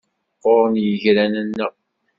Qquren yigran-nneɣ.